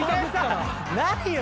何よ？